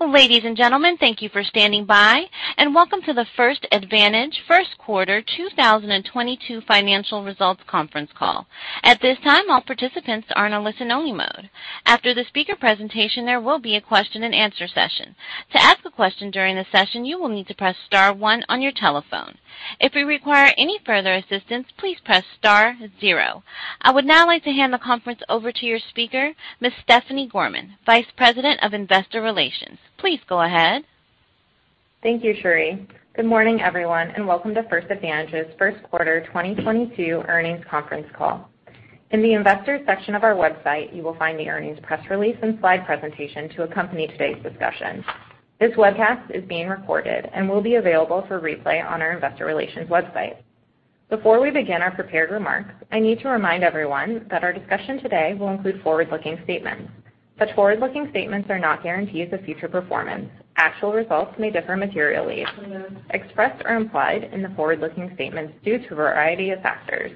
Ladies and gentlemen, thank you for standing by, and welcome to the First Advantage First Quarter 2022 Financial Results Conference Call. At this time, all participants are in a listen-only mode. After the speaker presentation, there will be a question and answer session. To ask a question during the session, you will need to press star one on your telephone. If you require any further assistance, please press star zero. I would now like to hand the conference over to your speaker, Ms. Stephanie Gorman, Vice President of Investor Relations. Please go ahead. Thank you, Sherry. Good morning, everyone, and welcome to First Advantage's first quarter 2022 earnings conference call. In the Investors section of our website, you will find the earnings press release and slide presentation to accompany today's discussion. This webcast is being recorded and will be available for replay on our investor relations website. Before we begin our prepared remarks, I need to remind everyone that our discussion today will include forward-looking statements. The forward-looking statements are not guarantees of future performance. Actual results may differ materially, expressed or implied in the forward-looking statements due to a variety of factors.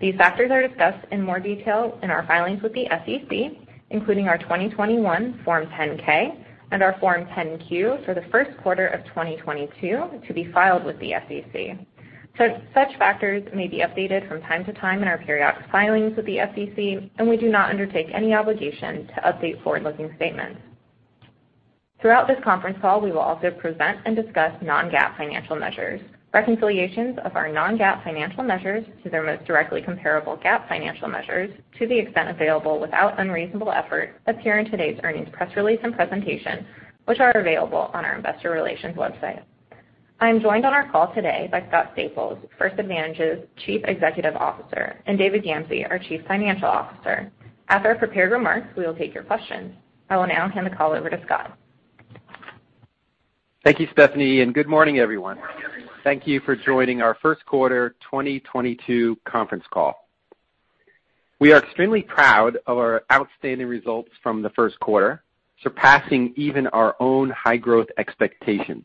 These factors are discussed in more detail in our filings with the SEC, including our 2021 Form 10-K and our Form 10-Q for the first quarter of 2022 to be filed with the SEC. Such factors may be updated from time to time in our periodic filings with the SEC, and we do not undertake any obligation to update forward-looking statements. Throughout this conference call, we will also present and discuss non-GAAP financial measures. Reconciliations of our non-GAAP financial measures to their most directly comparable GAAP financial measures to the extent available without unreasonable effort appear in today's earnings press release and presentation, which are available on our investor relations website. I am joined on our call today by Scott Staples, First Advantage's Chief Executive Officer, and David Gamsey, our Chief Financial Officer. After our prepared remarks, we will take your questions. I will now hand the call over to Scott. Thank you, Stephanie, and good morning, everyone. Thank you for joining our first quarter 2022 conference call. We are extremely proud of our outstanding results from the first quarter, surpassing even our own high-growth expectations.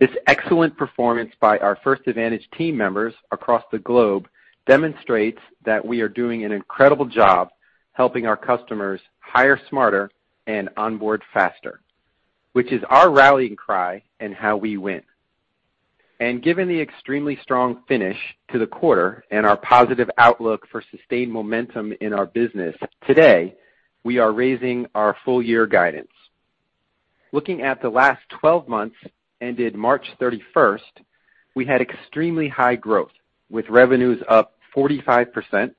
This excellent performance by our First Advantage team members across the globe demonstrates that we are doing an incredible job helping our customers hire smarter and onboard faster, which is our rallying cry and how we win. Given the extremely strong finish to the quarter and our positive outlook for sustained momentum in our business, today, we are raising our full year guidance. Looking at the last 12 months, ended March 31, we had extremely high growth with revenues up 45%,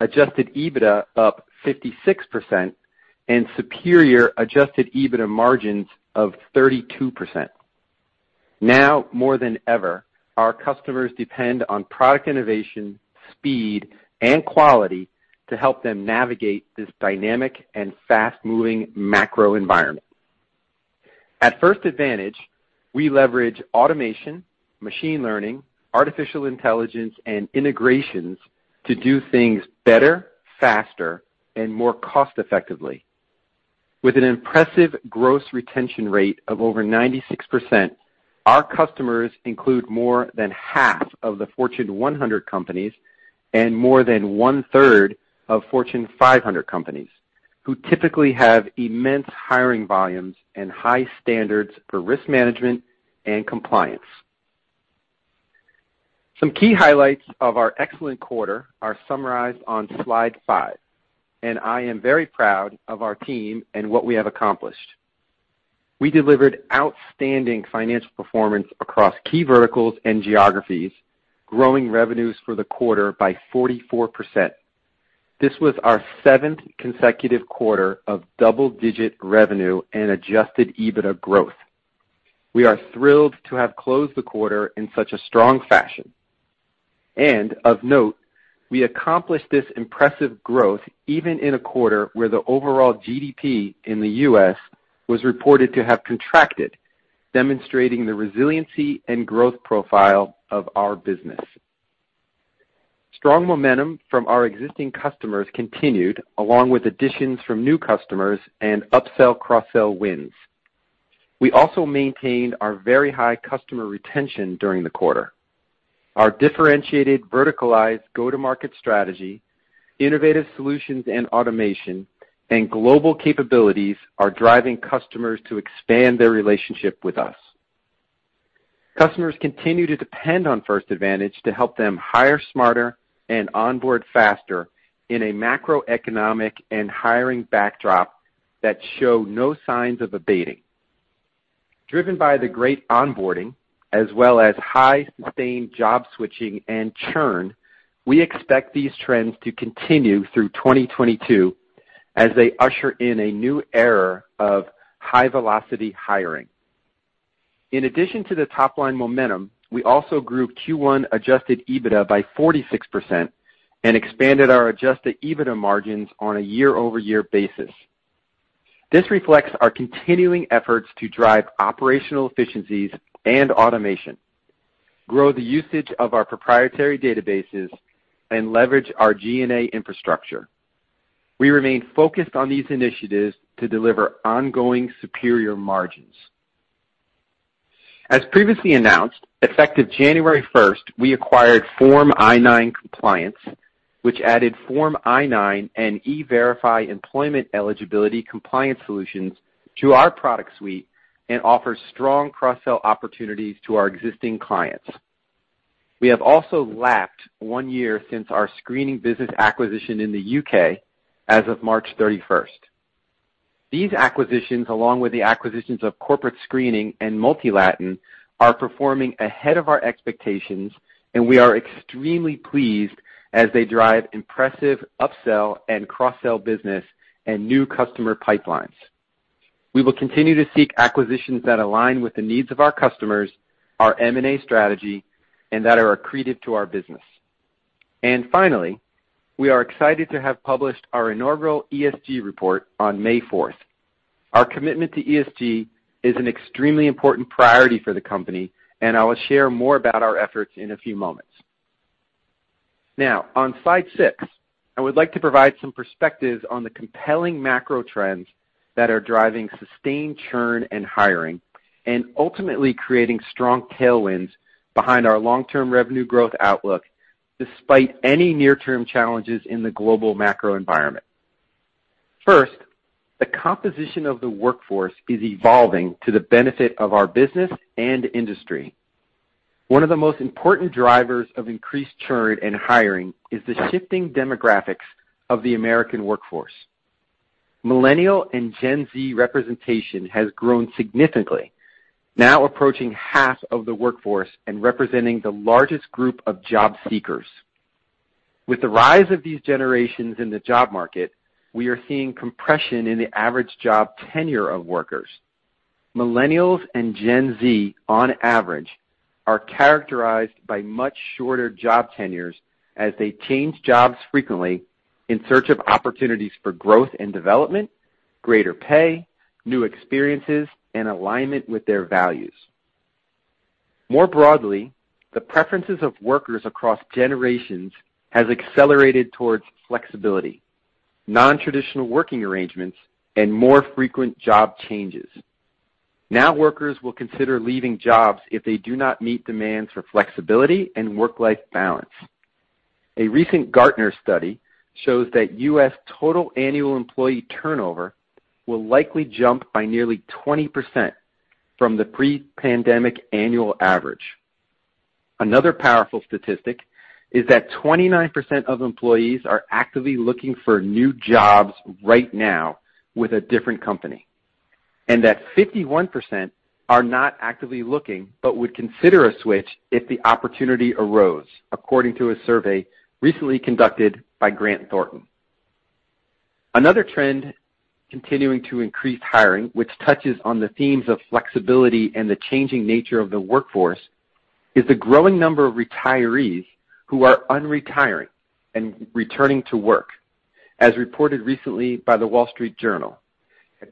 adjusted EBITDA up 56%, and superior adjusted EBITDA margins of 32%. Now more than ever, our customers depend on product innovation, speed, and quality to help them navigate this dynamic and fast-moving macro environment. At First Advantage, we leverage automation, machine learning, artificial intelligence, and integrations to do things better, faster, and more cost-effectively. With an impressive gross retention rate of over 96%, our customers include more than half of the Fortune 100 companies and more than 1/3 of the Fortune 500 companies, who typically have immense hiring volumes and high standards for risk management and compliance. Some key highlights of our excellent quarter are summarized on slide five, and I am very proud of our team and what we have accomplished. We delivered outstanding financial performance across key verticals and geographies, growing revenues for the quarter by 44%. This was our seventh consecutive quarter of double-digit revenue and adjusted EBITDA growth. We are thrilled to have closed the quarter in such a strong fashion. Of note, we accomplished this impressive growth even in a quarter where the overall GDP in the U.S. was reported to have contracted, demonstrating the resiliency and growth profile of our business. Strong momentum from our existing customers continued, along with additions from new customers and upsell, cross-sell wins. We also maintained our very high customer retention during the quarter. Our differentiated verticalized go-to-market strategy, innovative solutions and automation, and global capabilities are driving customers to expand their relationship with us. Customers continue to depend on First Advantage to help them hire smarter and onboard faster in a macroeconomic and hiring backdrop that show no signs of abating. Driven by the great onboarding as well as high sustained job switching and churn, we expect these trends to continue through 2022 as they usher in a new era of high-velocity hiring. In addition to the top-line momentum, we also grew Q1 adjusted EBITDA by 46% and expanded our adjusted EBITDA margins on a year-over-year basis. This reflects our continuing efforts to drive operational efficiencies and automation, grow the usage of our proprietary databases, and leverage our G&A infrastructure. We remain focused on these initiatives to deliver ongoing superior margins. As previously announced, effective January 1, we acquired Form I-9 Compliance, which added Form I-9 and E-Verify employment eligibility compliance solutions to our product suite and offers strong cross-sell opportunities to our existing clients. We have also lapped one year since our screening business acquisition in the UK as of March 31. These acquisitions, along with the acquisitions of Corporate Screening and MultiLatin, are performing ahead of our expectations, and we are extremely pleased as they drive impressive upsell and cross-sell business and new customer pipelines. We will continue to seek acquisitions that align with the needs of our customers, our M&A strategy, and that are accretive to our business. Finally, we are excited to have published our inaugural ESG report on May fourth. Our commitment to ESG is an extremely important priority for the company, and I will share more about our efforts in a few moments. Now, on slide 6, I would like to provide some perspective on the compelling macro trends that are driving sustained churn and hiring and ultimately creating strong tailwinds behind our long-term revenue growth outlook despite any near-term challenges in the global macro environment. First, the composition of the workforce is evolving to the benefit of our business and industry. One of the most important drivers of increased churn and hiring is the shifting demographics of the American workforce. Millennials and Gen Z representation has grown significantly, now approaching half of the workforce and representing the largest group of job seekers. With the rise of these generations in the job market, we are seeing compression in the average job tenure of workers. Millennials and Gen Z, on average, are characterized by much shorter job tenures as they change jobs frequently in search of opportunities for growth and development, greater pay, new experiences, and alignment with their values. More broadly, the preferences of workers across generations has accelerated towards flexibility, nontraditional working arrangements, and more frequent job changes. Workers will consider leaving jobs if they do not meet demands for flexibility and work-life balance. A recent Gartner study shows that US total annual employee turnover will likely jump by nearly 20% from the pre-pandemic annual average. Another powerful statistic is that 29% of employees are actively looking for new jobs right now with a different company, and that 51% are not actively looking but would consider a switch if the opportunity arose, according to a survey recently conducted by Grant Thornton. Another trend continuing to increase hiring, which touches on the themes of flexibility and the changing nature of the workforce, is the growing number of retirees who are unretiring and returning to work, as reported recently by The Wall Street Journal.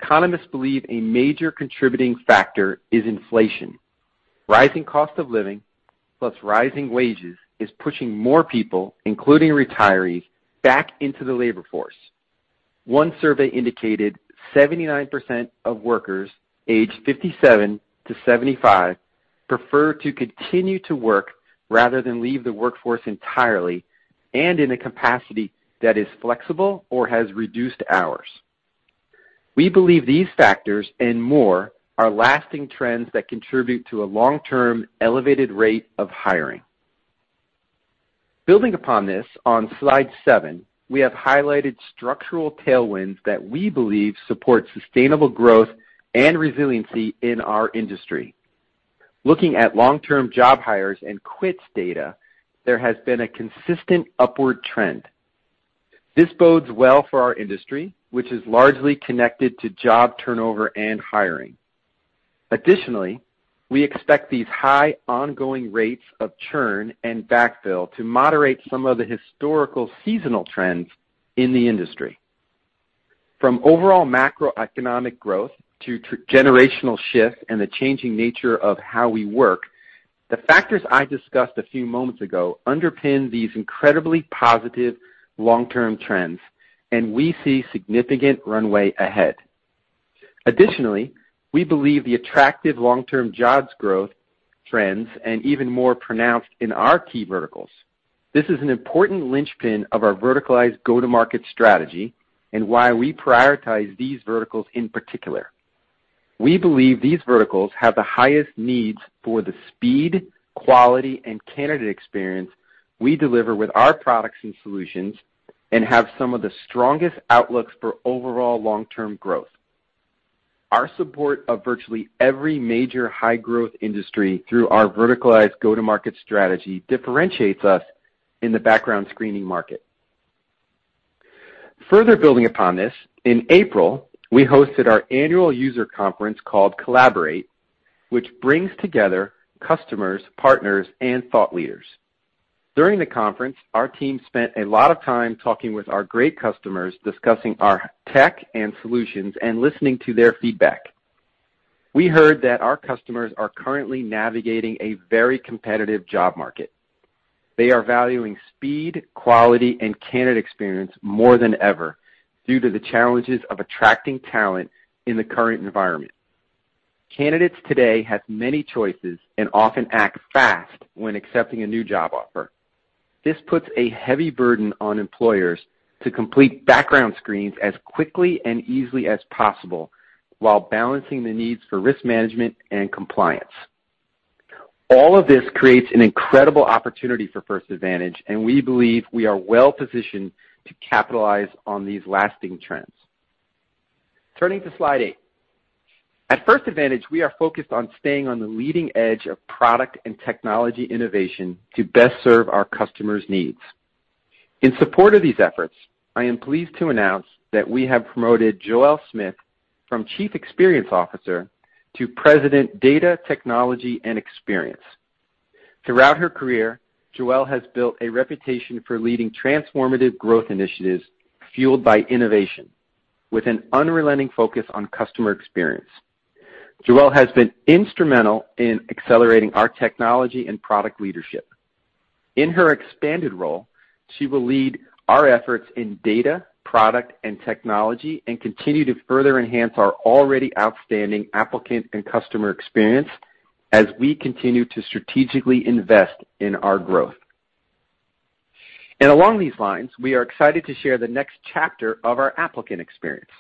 Economists believe a major contributing factor is inflation. Rising cost of living plus rising wages is pushing more people, including retirees, back into the labor force. One survey indicated 79% of workers aged 57-75 prefer to continue to work rather than leave the workforce entirely and in a capacity that is flexible or has reduced hours. We believe these factors and more are lasting trends that contribute to a long-term elevated rate of hiring. Building upon this, on slide 7, we have highlighted structural tailwinds that we believe support sustainable growth and resiliency in our industry. Looking at long-term job hires and quits data, there has been a consistent upward trend. This bodes well for our industry, which is largely connected to job turnover and hiring. Additionally, we expect these high ongoing rates of churn and backfill to moderate some of the historical seasonal trends in the industry. From overall macroeconomic growth to generational shift and the changing nature of how we work, the factors I discussed a few moments ago underpin these incredibly positive long-term trends, and we see significant runway ahead. Additionally, we believe the attractive long-term jobs growth trends and even more pronounced in our key verticals. This is an important linchpin of our verticalized go-to-market strategy and why we prioritize these verticals in particular. We believe these verticals have the highest needs for the speed, quality, and candidate experience we deliver with our products and solutions and have some of the strongest outlooks for overall long-term growth. Our support of virtually every major high-growth industry through our verticalized go-to-market strategy differentiates us in the background screening market. Further building upon this, in April, we hosted our annual user conference called Collaborate, which brings together customers, partners, and thought leaders. During the conference, our team spent a lot of time talking with our great customers, discussing our tech and solutions, and listening to their feedback. We heard that our customers are currently navigating a very competitive job market. They are valuing speed, quality and candidate experience more than ever due to the challenges of attracting talent in the current environment. Candidates today have many choices and often act fast when accepting a new job offer. This puts a heavy burden on employers to complete background screens as quickly and easily as possible while balancing the needs for risk management and compliance. All of this creates an incredible opportunity for First Advantage, and we believe we are well positioned to capitalize on these lasting trends. Turning to slide eight. At First Advantage, we are focused on staying on the leading edge of product and technology innovation to best serve our customers' needs. In support of these efforts, I am pleased to announce that we have promoted Joelle Smith from Chief Experience Officer to President, Data, Technology and Experience. Throughout her career, Joelle has built a reputation for leading transformative growth initiatives fueled by innovation with an unrelenting focus on customer experience. Joelle has been instrumental in accelerating our technology and product leadership. In her expanded role, she will lead our efforts in data, product and technology and continue to further enhance our already outstanding applicant and customer experience as we continue to strategically invest in our growth. Along these lines, we are excited to share the next chapter of our applicant experience.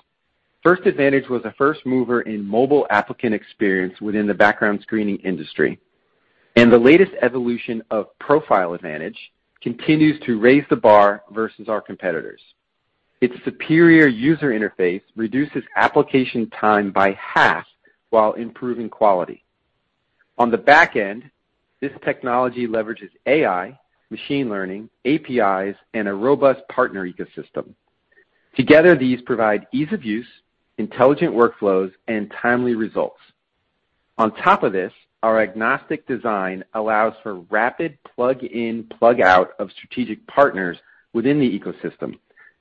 First Advantage was a first mover in mobile applicant experience within the background screening industry, and the latest evolution of Profile Advantage continues to raise the bar versus our competitors. Its superior user interface reduces application time by half while improving quality. On the back end, this technology leverages AI, machine learning, APIs, and a robust partner ecosystem. Together, these provide ease of use, intelligent workflows and timely results. On top of this, our agnostic design allows for rapid plug in, plug out of strategic partners within the ecosystem,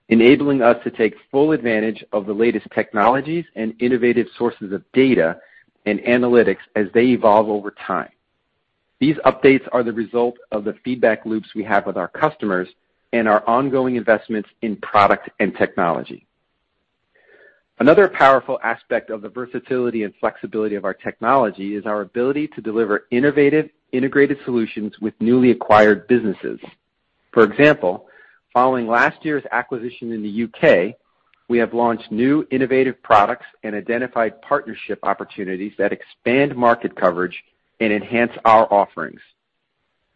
enabling us to take full advantage of the latest technologies and innovative sources of data and analytics as they evolve over time. These updates are the result of the feedback loops we have with our customers and our ongoing investments in product and technology. Another powerful aspect of the versatility and flexibility of our technology is our ability to deliver innovative integrated solutions with newly acquired businesses. For example, following last year's acquisition in the UK, we have launched new innovative products and identified partnership opportunities that expand market coverage and enhance our offerings.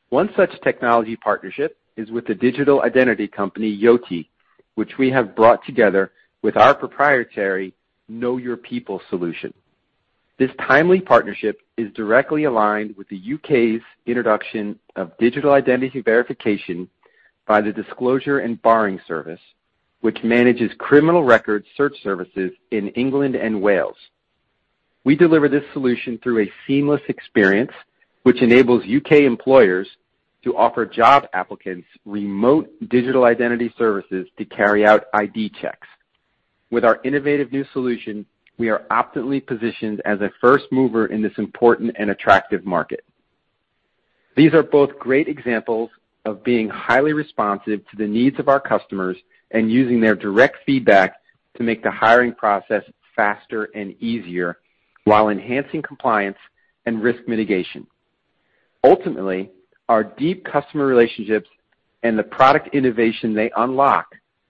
One such technology partnership is with the digital identity company Yoti, which we have brought together with our proprietary Know Your People solution. This timely partnership is directly aligned with the UK's introduction of digital identity verification by the Disclosure and Barring Service, which manages criminal record search services in England and Wales. We deliver this solution through a seamless experience, which enables UK employers to offer job applicants remote digital identity services to carry out ID checks. With our innovative new solution, we are optimally positioned as a first mover in this important and attractive market. These are both great examples of being highly responsive to the needs of our customers and using their direct feedback to make the hiring process faster and easier while enhancing compliance and risk mitigation. Ultimately, our deep customer relationships and the product innovation they unlock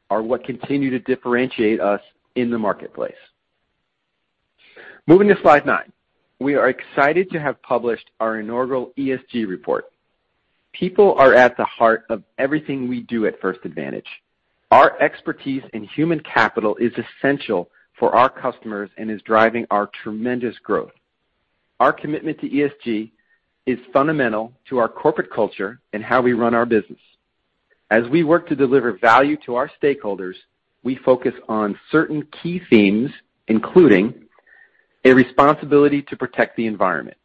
are what continue to differentiate us in the marketplace. Moving to Slide nine. We are excited to have published our inaugural ESG report. People are at the heart of everything we do at First Advantage. Our expertise in human capital is essential for our customers and is driving our tremendous growth. Our commitment to ESG is fundamental to our corporate culture and how we run our business. As we work to deliver value to our stakeholders, we focus on certain key themes, including a responsibility to protect the environment.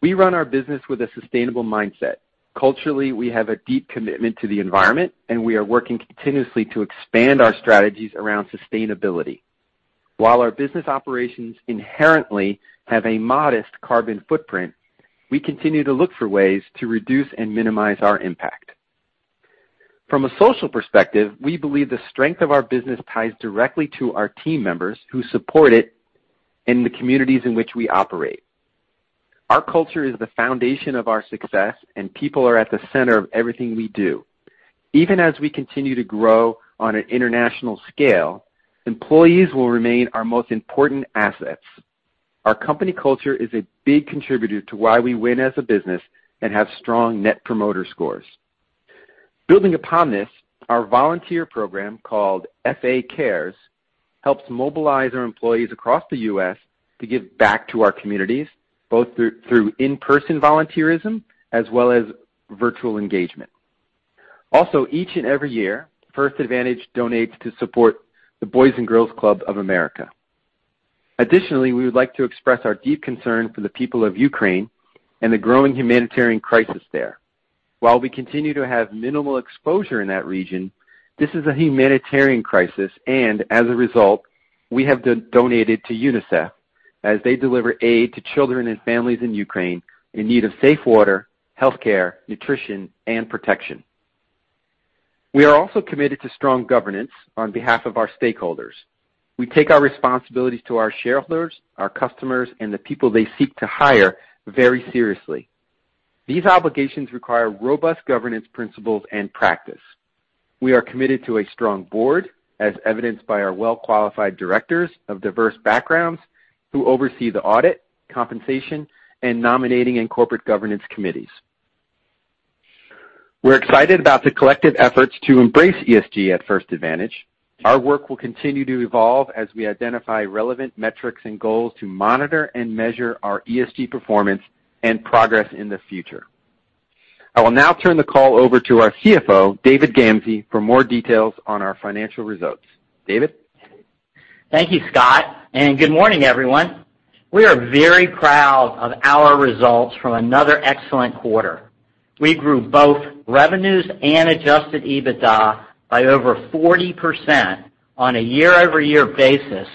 We run our business with a sustainable mindset. Culturally, we have a deep commitment to the environment, and we are working continuously to expand our strategies around sustainability. While our business operations inherently have a modest carbon footprint, we continue to look for ways to reduce and minimize our impact. From a social perspective, we believe the strength of our business ties directly to our team members who support it in the communities in which we operate. Our culture is the foundation of our success, and people are at the center of everything we do. Even as we continue to grow on an international scale, employees will remain our most important assets. Our company culture is a big contributor to why we win as a business and have strong net promoter scores. Building upon this, our volunteer program, called FA Cares, helps mobilize our employees across the U.S. to give back to our communities both through in-person volunteerism as well as virtual engagement. Also, each and every year, First Advantage donates to support the Boys & Girls Clubs of America. Additionally, we would like to express our deep concern for the people of Ukraine and the growing humanitarian crisis there. While we continue to have minimal exposure in that region, this is a humanitarian crisis, and as a result, we have donated to UNICEF as they deliver aid to children and families in Ukraine in need of safe water, health care, nutrition, and protection. We are also committed to strong governance on behalf of our stakeholders. We take our responsibilities to our shareholders, our customers, and the people they seek to hire very seriously. These obligations require robust governance principles and practice. We are committed to a strong board, as evidenced by our well-qualified directors of diverse backgrounds who oversee the audit, compensation, and nominating and corporate governance committees. We're excited about the collective efforts to embrace ESG at First Advantage. Our work will continue to evolve as we identify relevant metrics and goals to monitor and measure our ESG performance and progress in the future. I will now turn the call over to our CFO, David Gamsey, for more details on our financial results. David? Thank you, Scott, and good morning, everyone. We are very proud of our results from another excellent quarter. We grew both revenues and adjusted EBITDA by over 40% on a year-over-year basis,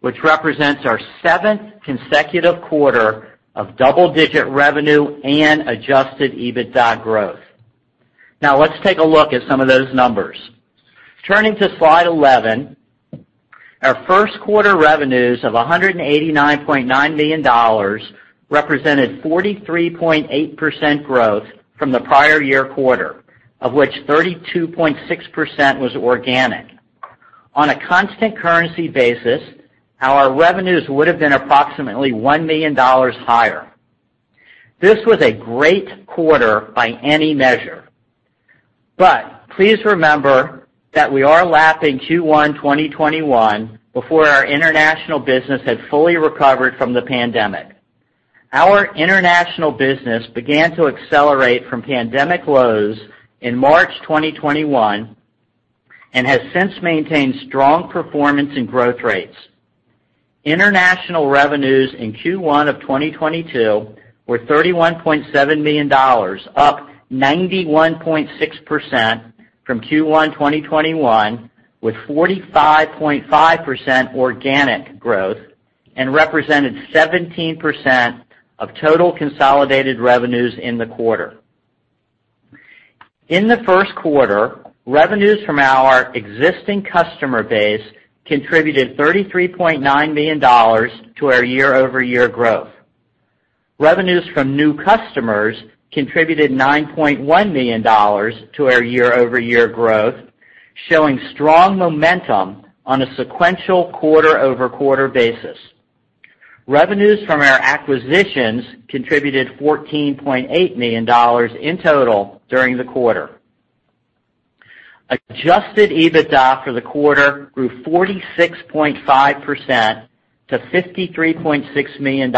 which represents our seventh consecutive quarter of double-digit revenue and adjusted EBITDA growth. Now let's take a look at some of those numbers. Turning to Slide 11, our first quarter revenues of $189.9 million represented 43.8% growth from the prior year quarter, of which 32.6% was organic. On a constant currency basis, our revenues would have been approximately $1 million higher. This was a great quarter by any measure. Please remember that we are lapping Q1 2021 before our international business had fully recovered from the pandemic. Our international business began to accelerate from pandemic lows in March 2021 and has since maintained strong performance and growth rates. International revenues in Q1 of 2022 were $31.7 million, up 91.6% from Q1 2021, with 45.5% organic growth and represented 17% of total consolidated revenues in the quarter. In the first quarter, revenues from our existing customer base contributed $33.9 million to our year-over-year growth. Revenues from new customers contributed $9.1 million to our year-over-year growth, showing strong momentum on a sequential quarter-over-quarter basis. Revenues from our acquisitions contributed $14.8 million in total during the quarter. Adjusted EBITDA for the quarter grew 46.5% to $53.6 million,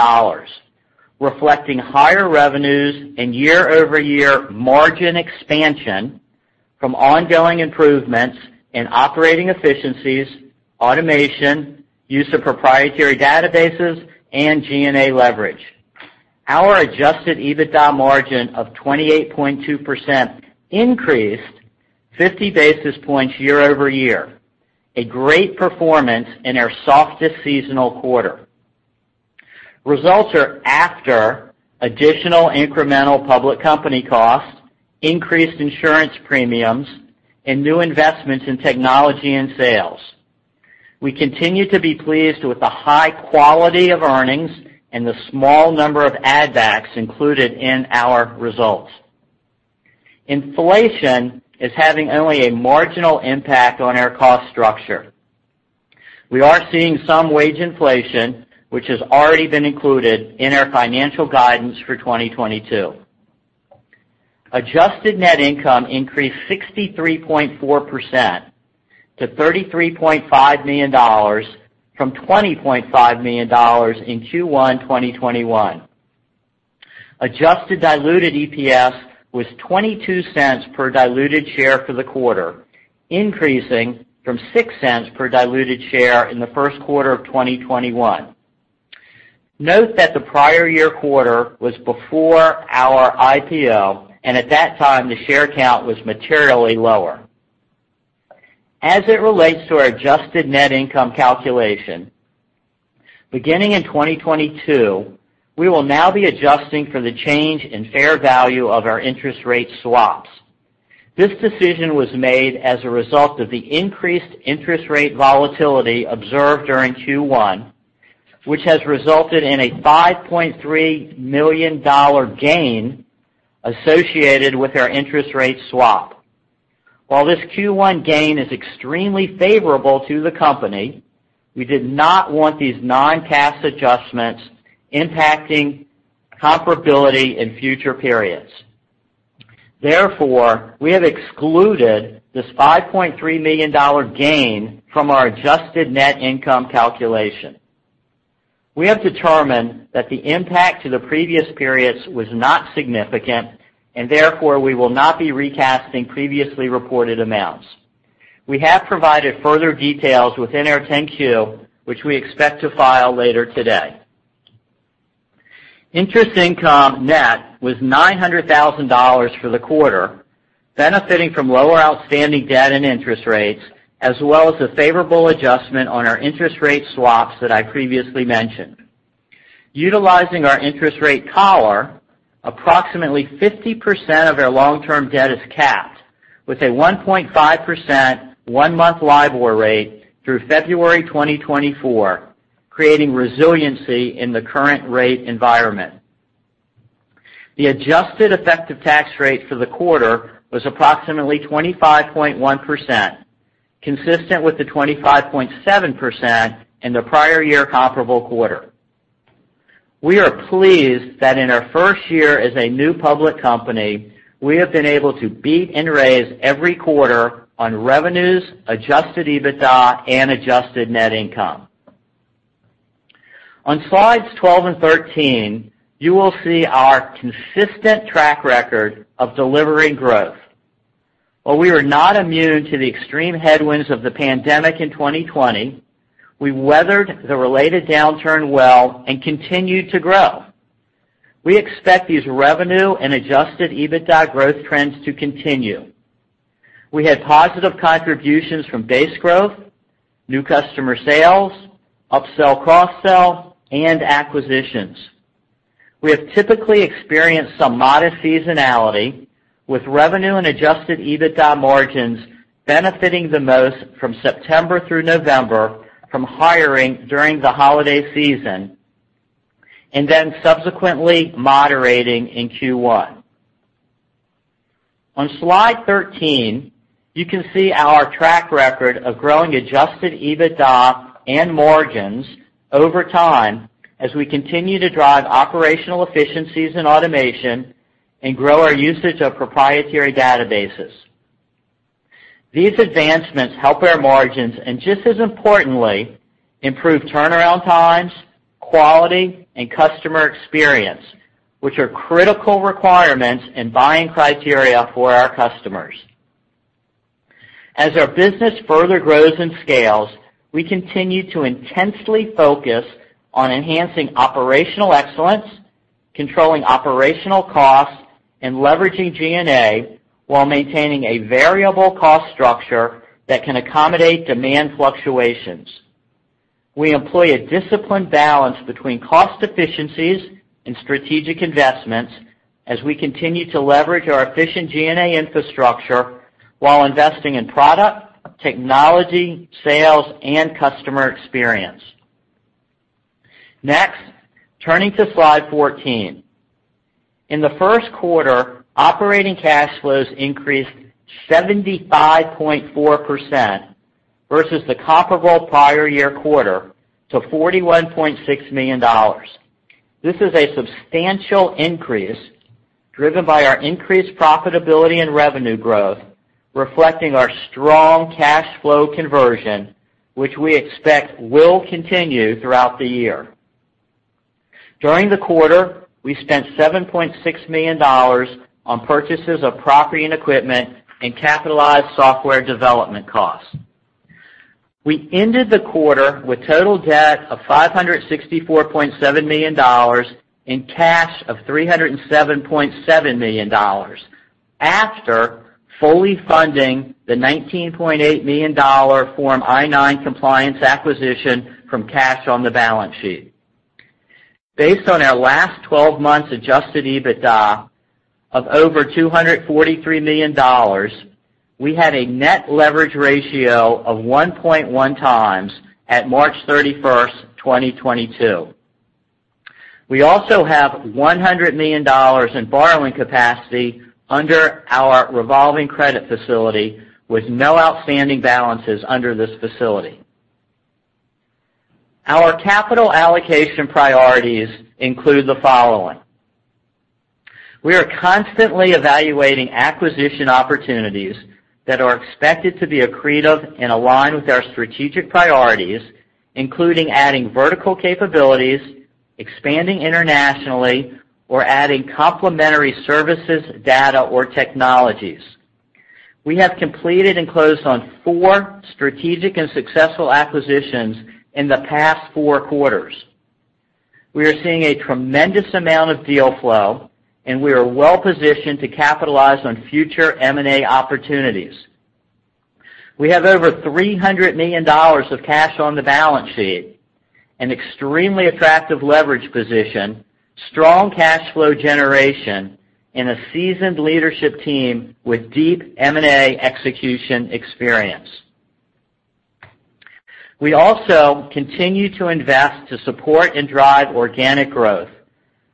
reflecting higher revenues and year-over-year margin expansion from ongoing improvements in operating efficiencies, automation, use of proprietary databases, and G&A leverage. Our adjusted EBITDA margin of 28.2% increased 50 basis points year over year, a great performance in our softest seasonal quarter. Results are after additional incremental public company costs, increased insurance premiums, and new investments in technology and sales. We continue to be pleased with the high quality of earnings and the small number of add-backs included in our results. Inflation is having only a marginal impact on our cost structure. We are seeing some wage inflation, which has already been included in our financial guidance for 2022. Adjusted net income increased 63.4% to $33.5 million from $20.5 million in Q1 2021. Adjusted diluted EPS was $0.22 per diluted share for the quarter, increasing from $0.06 per diluted share in the first quarter of 2021. Note that the prior year quarter was before our IPO, and at that time, the share count was materially lower. As it relates to our adjusted net income calculation, beginning in 2022, we will now be adjusting for the change in fair value of our interest rate swaps. This decision was made as a result of the increased interest rate volatility observed during Q1, which has resulted in a $5.3 million gain associated with our interest rate swap. While this Q1 gain is extremely favorable to the company, we did not want these non-cash adjustments impacting comparability in future periods. Therefore, we have excluded this $5.3 million gain from our adjusted net income calculation. We have determined that the impact to the previous periods was not significant and therefore we will not be recasting previously reported amounts. We have provided further details within our 10-Q, which we expect to file later today. Interest income net was $900,000 for the quarter, benefiting from lower outstanding debt and interest rates, as well as a favorable adjustment on our interest rate swaps that I previously mentioned. Utilizing our interest rate collar, approximately 50% of our long-term debt is capped with a 1.5% one-month LIBOR rate through February 2024, creating resiliency in the current rate environment. The adjusted effective tax rate for the quarter was approximately 25.1%, consistent with the 25.7% in the prior year comparable quarter. We are pleased that in our first year as a new public company, we have been able to beat and raise every quarter on revenues, adjusted EBITDA, and adjusted net income. On slides 12 and 13, you will see our consistent track record of delivering growth. While we were not immune to the extreme headwinds of the pandemic in 2020, we weathered the related downturn well and continued to grow. We expect these revenue and adjusted EBITDA growth trends to continue. We had positive contributions from base growth, new customer sales, upsell, cross-sell, and acquisitions. We have typically experienced some modest seasonality, with revenue and adjusted EBITDA margins benefiting the most from September through November from hiring during the holiday season and then subsequently moderating in Q1. On Slide 13, you can see our track record of growing adjusted EBITDA and margins over time as we continue to drive operational efficiencies and automation and grow our usage of proprietary databases. These advancements help our margins and, just as importantly, improve turnaround times, quality, and customer experience, which are critical requirements and buying criteria for our customers. As our business further grows and scales, we continue to intensely focus on enhancing operational excellence, controlling operational costs, and leveraging G&A while maintaining a variable cost structure that can accommodate demand fluctuations. We employ a disciplined balance between cost efficiencies and strategic investments as we continue to leverage our efficient G&A infrastructure while investing in product, technology, sales, and customer experience. Next, turning to Slide 14. In the first quarter, operating cash flows increased 75.4% versus the comparable prior year quarter to $41.6 million. This is a substantial increase driven by our increased profitability and revenue growth, reflecting our strong cash flow conversion, which we expect will continue throughout the year. During the quarter, we spent $7.6 million on purchases of property and equipment and capitalized software development costs. We ended the quarter with total debt of $564.7 million and cash of $307.7 million after fully funding the $19.8 million Form I-9 Compliance acquisition from cash on the balance sheet. Based on our last twelve months adjusted EBITDA of over $243 million, we had a net leverage ratio of 1.1x at March 31, 2022. We also have $100 million in borrowing capacity under our revolving credit facility with no outstanding balances under this facility. Our capital allocation priorities include the following. We are constantly evaluating acquisition opportunities that are expected to be accretive and align with our strategic priorities, including adding vertical capabilities, expanding internationally, or adding complementary services, data, or technologies. We have completed and closed on four strategic and successful acquisitions in the past four quarters. We are seeing a tremendous amount of deal flow, and we are well-positioned to capitalize on future M&A opportunities. We have over $300 million of cash on the balance sheet, an extremely attractive leverage position, strong cash flow generation, and a seasoned leadership team with deep M&A execution experience. We also continue to invest to support and drive organic growth,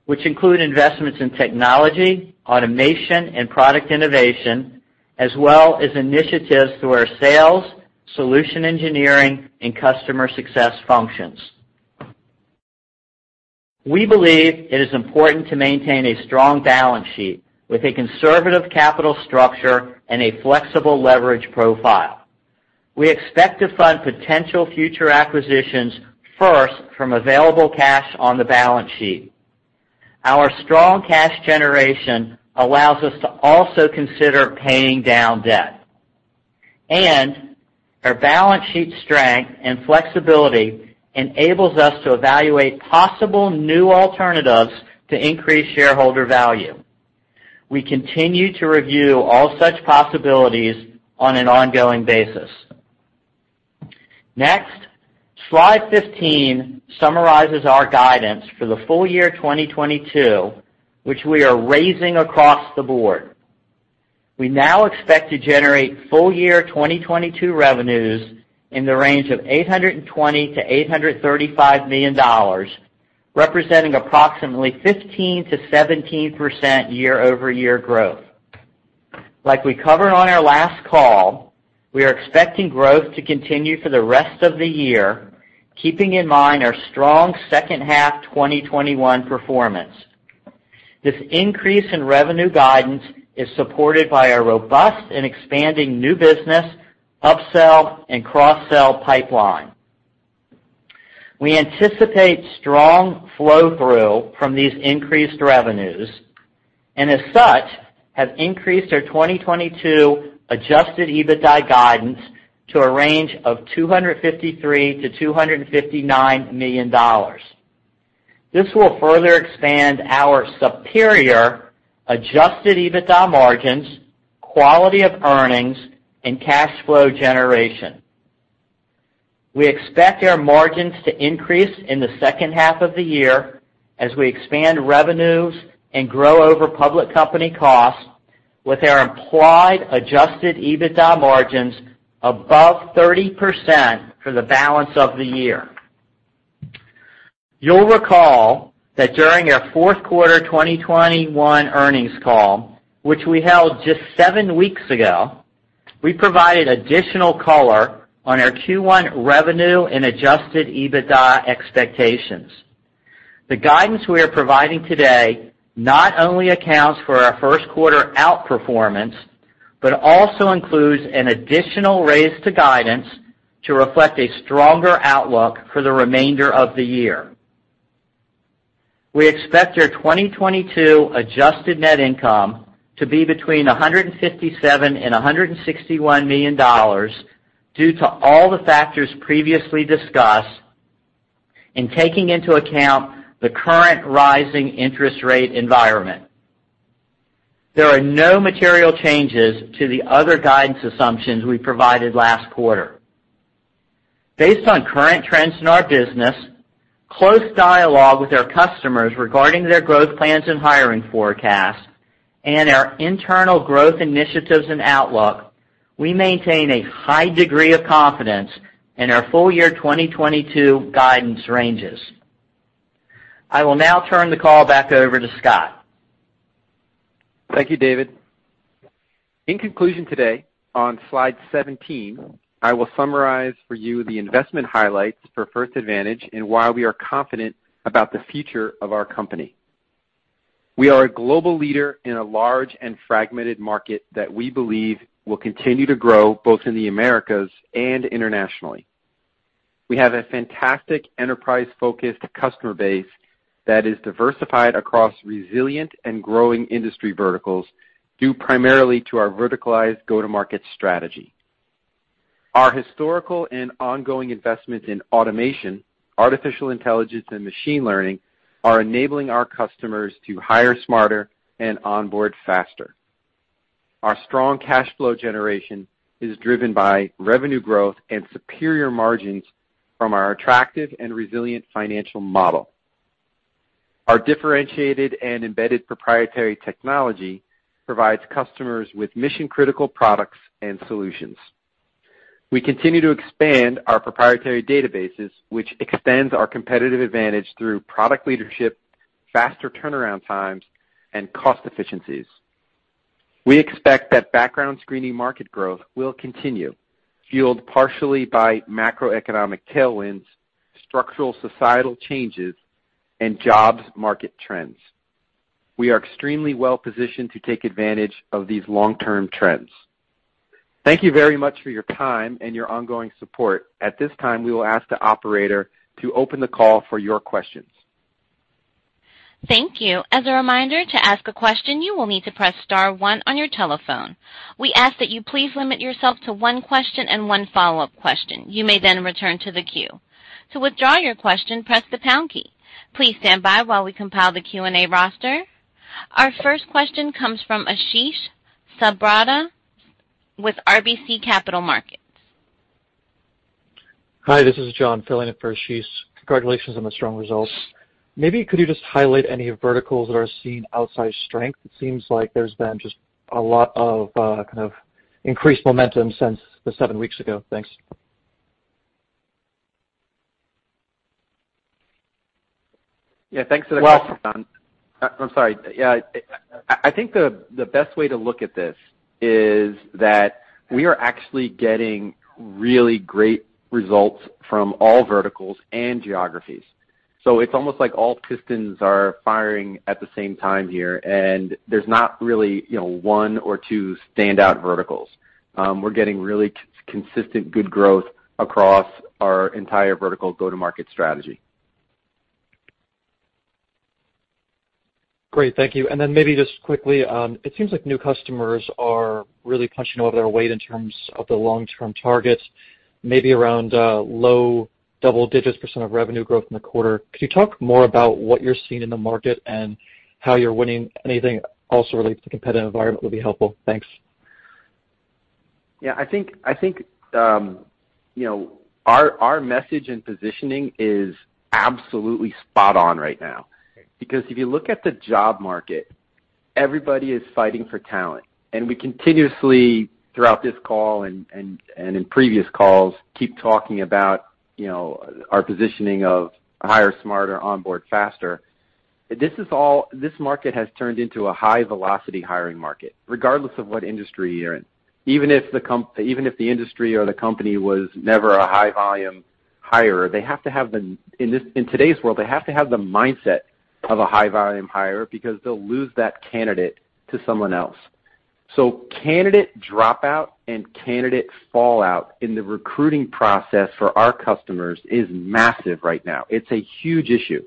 which include investments in technology, automation, and product innovation, as well as initiatives through our sales, solution engineering, and customer success functions. We believe it is important to maintain a strong balance sheet with a conservative capital structure and a flexible leverage profile. We expect to fund potential future acquisitions first from available cash on the balance sheet. Our strong cash generation allows us to also consider paying down debt. Our balance sheet strength and flexibility enables us to evaluate possible new alternatives to increase shareholder value. We continue to review all such possibilities on an ongoing basis. Next, slide 15 summarizes our guidance for the full year 2022, which we are raising across the board. We now expect to generate full year 2022 revenues in the range of $820 million-$835 million, representing approximately 15%-17% year-over-year growth. Like we covered on our last call, we are expecting growth to continue for the rest of the year, keeping in mind our strong second half 2021 performance. This increase in revenue guidance is supported by a robust and expanding new business, upsell, and cross-sell pipeline. We anticipate strong flow-through from these increased revenues, and as such, have increased our 2022 adjusted EBITDA guidance to a range of $253 million-$259 million. This will further expand our superior adjusted EBITDA margins, quality of earnings, and cash flow generation. We expect our margins to increase in the second half of the year as we expand revenues and grow over public company costs with our implied adjusted EBITDA margins above 30% for the balance of the year. You'll recall that during our fourth quarter 2021 earnings call, which we held just seven weeks ago, we provided additional color on our Q1 revenue and adjusted EBITDA expectations. The guidance we are providing today not only accounts for our first quarter outperformance but also includes an additional raise to guidance to reflect a stronger outlook for the remainder of the year. We expect our 2022 adjusted net income to be between $157 million and $161 million due to all the factors previously discussed and taking into account the current rising interest rate environment. There are no material changes to the other guidance assumptions we provided last quarter. Based on current trends in our business, close dialogue with our customers regarding their growth plans and hiring forecasts, and our internal growth initiatives and outlook, we maintain a high degree of confidence in our full year 2022 guidance ranges. I will now turn the call back over to Scott. Thank you, David. In conclusion today, on slide 17, I will summarize for you the investment highlights for First Advantage and why we are confident about the future of our company. We are a global leader in a large and fragmented market that we believe will continue to grow both in the Americas and internationally. We have a fantastic enterprise-focused customer base that is diversified across resilient and growing industry verticals due primarily to our verticalized go-to-market strategy. Our historical and ongoing investments in automation, artificial intelligence, and machine learning are enabling our customers to hire smarter and onboard faster. Our strong cash flow generation is driven by revenue growth and superior margins from our attractive and resilient financial model. Our differentiated and embedded proprietary technology provides customers with mission-critical products and solutions. We continue to expand our proprietary databases, which extends our competitive advantage through product leadership, faster turnaround times, and cost efficiencies. We expect that background screening market growth will continue, fueled partially by macroeconomic tailwinds, structural societal changes, and jobs market trends. We are extremely well positioned to take advantage of these long-term trends. Thank you very much for your time and your ongoing support. At this time, we will ask the operator to open the call for your questions. Thank you. As a reminder, to ask a question, you will need to press star one on your telephone. We ask that you please limit yourself to one question and one follow-up question. You may then return to the queue. To withdraw your question, press the pound key. Please stand by while we compile the Q&A roster. Our first question comes from Ashish Sabadra with RBC Capital Markets. Hi, this is John filling in for Ashish. Congratulations on the strong results. Maybe could you just highlight any verticals that are seeing outsized strength? It seems like there's been just a lot of, kind of increased momentum since the seven weeks ago. Thanks. Yeah, thanks for the question, John. I'm sorry. Yeah, I think the best way to look at this is that we are actually getting really great results from all verticals and geographies. It's almost like all pistons are firing at the same time here, and there's not really, you know, one or two standout verticals. We're getting really consistent good growth across our entire vertical go-to-market strategy. Great. Thank you. Maybe just quickly, it seems like new customers are really punching above their weight in terms of the long-term targets, maybe around low double digits % of revenue growth in the quarter. Could you talk more about what you're seeing in the market and how you're winning? Anything also related to competitive environment would be helpful. Thanks. Yeah, I think you know, our message and positioning is absolutely spot on right now. Because if you look at the job market, everybody is fighting for talent. We continuously throughout this call and in previous calls keep talking about you know, our positioning of hire smarter, onboard faster. This market has turned into a high velocity hiring market, regardless of what industry you're in. Even if the industry or the company was never a high volume hirer, in today's world, they have to have the mindset of a high volume hirer because they'll lose that candidate to someone else. Candidate dropout and candidate fallout in the recruiting process for our customers is massive right now. It's a huge issue.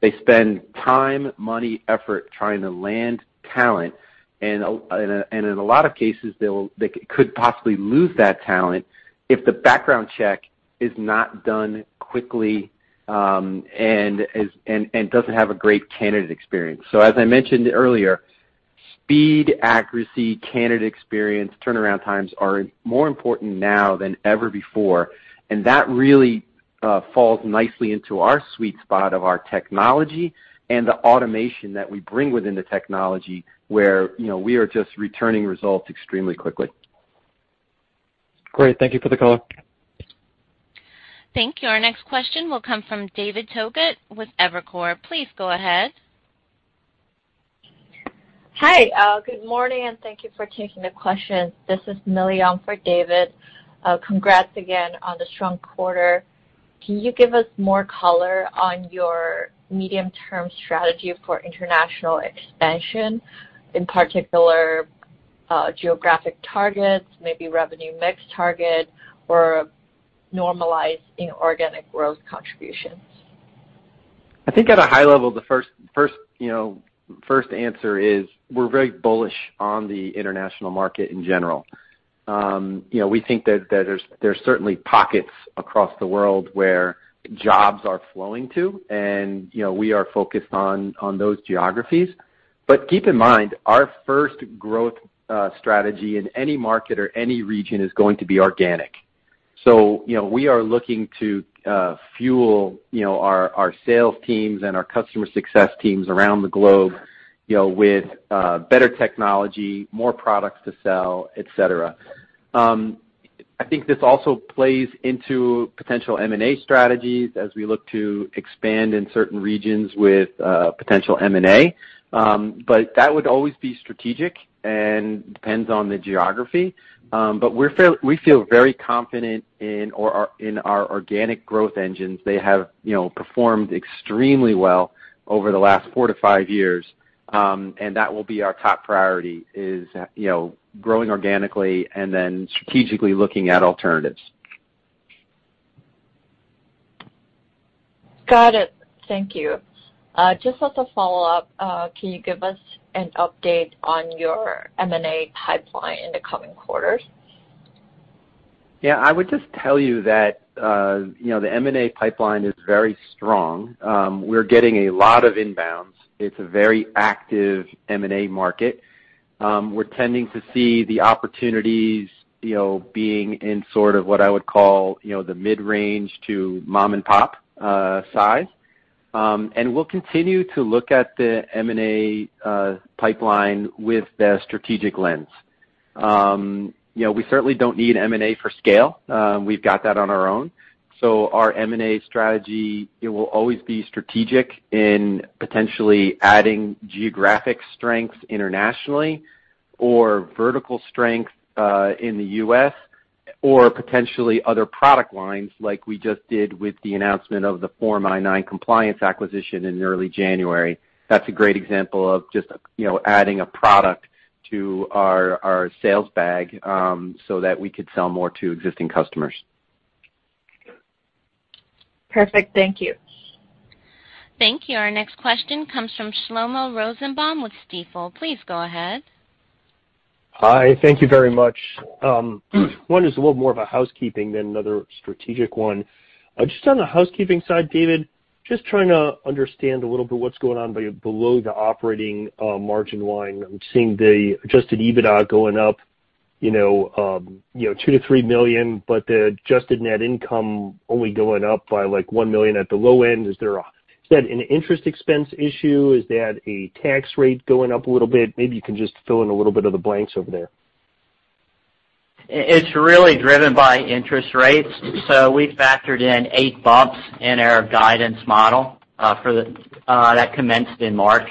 They spend time, money, effort trying to land talent, and in a lot of cases, they could possibly lose that talent if the background check is not done quickly, and doesn't have a great candidate experience. As I mentioned earlier, speed, accuracy, candidate experience, turnaround times are more important now than ever before, and that really falls nicely into our sweet spot of our technology and the automation that we bring within the technology where, you know, we are just returning results extremely quickly. Great. Thank you for the color. Thank you. Our next question will come from David Togut with Evercore. Please go ahead. Hi, good morning, and thank you for taking the questions. This is Millan for David. Congrats again on the strong quarter. Can you give us more color on your medium-term strategy for international expansion, in particular, geographic targets, maybe revenue mix target or normalized in organic growth contributions? I think at a high level, the first answer is we're very bullish on the international market in general. You know, we think that there's certainly pockets across the world where jobs are flowing to, and, you know, we are focused on those geographies. Keep in mind, our first growth strategy in any market or any region is going to be organic. You know, we are looking to fuel, you know, our sales teams and our customer success teams around the globe, you know, with better technology, more products to sell, et cetera. I think this also plays into potential M&A strategies as we look to expand in certain regions with potential M&A. That would always be strategic and depends on the geography. We feel very confident in our organic growth engines. They have, you know, performed extremely well over the last 4-5 years, and that will be our top priority, is, you know, growing organically and then strategically looking at alternatives. Got it. Thank you. Just as a follow-up, can you give us an update on your M&A pipeline in the coming quarters? Yeah. I would just tell you that, you know, the M&A pipeline is very strong. We're getting a lot of inbounds. It's a very active M&A market. We're tending to see the opportunities, you know, being in sort of what I would call, you know, the mid-range to mom and pop size. We'll continue to look at the M&A pipeline with the strategic lens. You know, we certainly don't need M&A for scale, we've got that on our own. Our M&A strategy, it will always be strategic in potentially adding geographic strengths internationally or vertical strength in the U.S., or potentially other product lines like we just did with the announcement of the Form I-9 Compliance acquisition in early January. That's a great example of just, you know, adding a product to our sales bag, so that we could sell more to existing customers. Perfect. Thank you. Thank you. Our next question comes from Shlomo Rosenbaum with Stifel. Please go ahead. Hi. Thank you very much. One is a little more of a housekeeping than another strategic one. Just on the housekeeping side, David, just trying to understand a little bit what's going on below the operating margin line. I'm seeing the adjusted EBITDA going up, you know, $2 million-$3 million, but the adjusted net income only going up by, like, $1 million at the low end. Is that an interest expense issue? Is that a tax rate going up a little bit? Maybe you can just fill in a little bit of the blanks over there. It's really driven by interest rates. We factored in 8 bumps in our guidance model, for the, that commenced in March.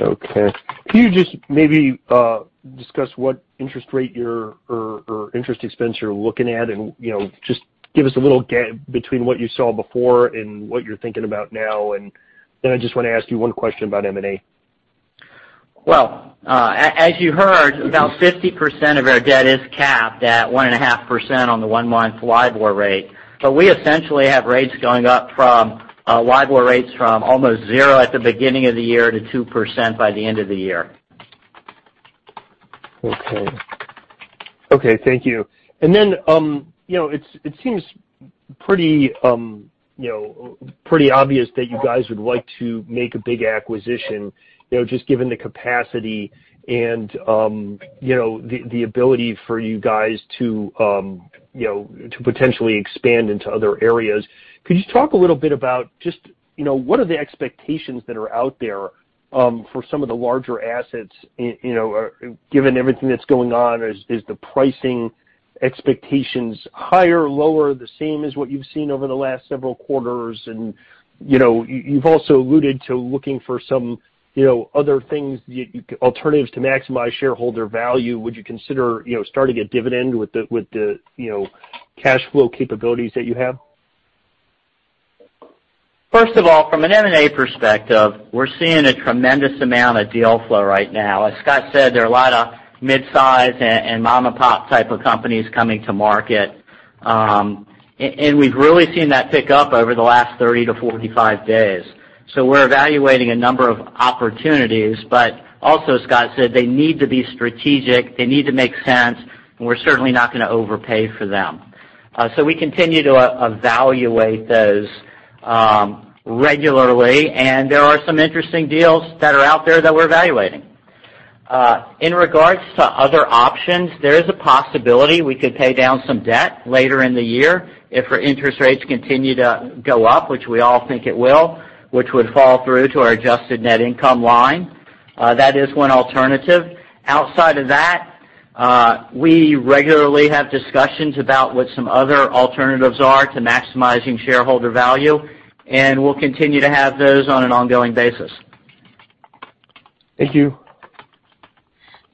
Okay. Can you just maybe discuss what interest rate or interest expense you're looking at? You know, just give us a little gap between what you saw before and what you're thinking about now. I just wanna ask you one question about M&A. As you heard, about 50% of our debt is capped at 1.5% on the one-month LIBOR rate. We essentially have rates going up from LIBOR rates from almost zero at the beginning of the year to 2% by the end of the year. Okay, thank you. You know, it seems pretty, you know, pretty obvious that you guys would like to make a big acquisition, you know, just given the capacity and, you know, the ability for you guys to, you know, to potentially expand into other areas. Could you talk a little bit about just, you know, what are the expectations that are out there for some of the larger assets, you know, given everything that's going on, is the pricing expectations higher or lower, the same as what you've seen over the last several quarters? You know, you've also alluded to looking for some, you know, other things, alternatives to maximize shareholder value. Would you consider, you know, starting a dividend with the, you know, cash flow capabilities that you have? First of all, from an M&A perspective, we're seeing a tremendous amount of deal flow right now. As Scott said, there are a lot of midsize and mom-and-pop type of companies coming to market. We've really seen that pick up over the last 30-45 days. We're evaluating a number of opportunities. Also, as Scott said, they need to be strategic, they need to make sense, and we're certainly not gonna overpay for them. We continue to evaluate those regularly, and there are some interesting deals that are out there that we're evaluating. In regards to other options, there is a possibility we could pay down some debt later in the year if our interest rates continue to go up, which we all think it will, which would fall through to our adjusted net income line. That is one alternative. Outside of that, we regularly have discussions about what some other alternatives are to maximizing shareholder value, and we'll continue to have those on an ongoing basis. Thank you. Thank you.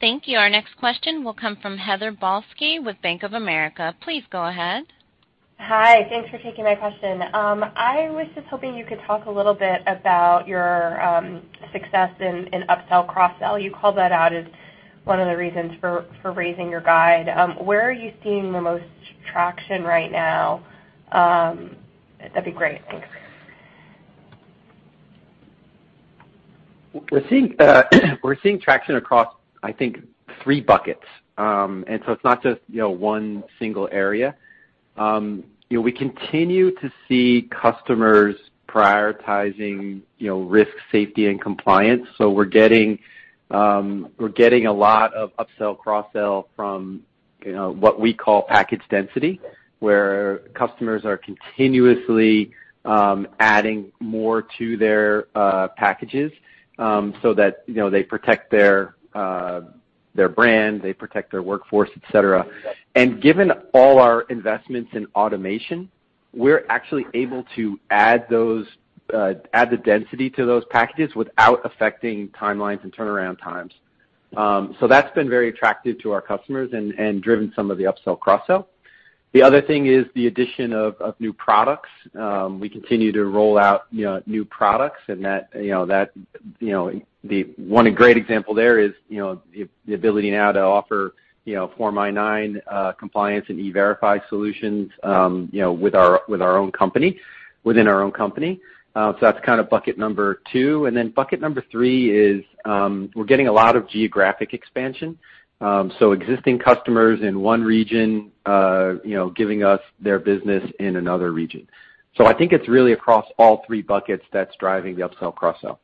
Our next question will come from Heather Balsky with Bank of America. Please go ahead. Hi. Thanks for taking my question. I was just hoping you could talk a little bit about your success in upsell, cross-sell. You called that out as one of the reasons for raising your guide. Where are you seeing the most traction right now? That'd be great. Thanks. We're seeing traction across, I think, three buckets. It's not just, you know, one single area. We continue to see customers prioritizing, you know, risk, safety and compliance. We're getting a lot of upsell, cross-sell from, you know, what we call package density, where customers are continuously adding more to their packages, so that, you know, they protect their brand, they protect their workforce, et cetera. Given all our investments in automation, we're actually able to add the density to those packages without affecting timelines and turnaround times. That's been very attractive to our customers and driven some of the upsell, cross-sell. The other thing is the addition of new products. We continue to roll out, you know, new products and that one great example there is, you know, the ability now to offer, you know, Form I-9 compliance and E-Verify solutions, you know, within our own company. That's kind of bucket number two. Then bucket number three is, we're getting a lot of geographic expansion. Existing customers in one region, you know, giving us their business in another region. I think it's really across all three buckets that's driving the upsell, cross-sell.